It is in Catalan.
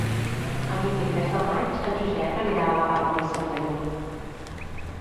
El vint-i-tres de maig en Josep anirà a la Palma de Cervelló.